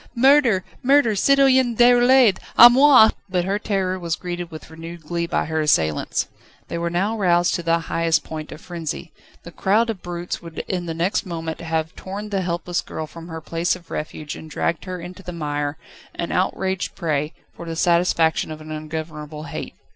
Murder! Murder! Citoyen Déroulède, à moi!" But her terror was greeted with renewed glee by her assailants. They were now roused to the highest point of frenzy: the crowd of brutes would in the next moment have torn the helpless girl from her place of refuge and dragged her into the mire, an outraged prey, for the satisfaction of an ungovernable hate.